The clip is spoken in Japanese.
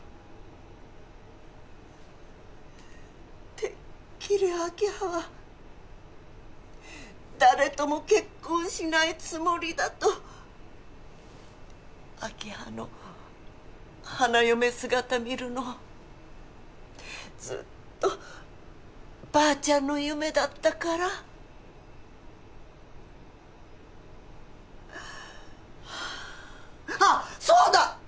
てっきり明葉は誰とも結婚しないつもりだと明葉の花嫁姿見るのずっとばあちゃんの夢だったからあっそうだ！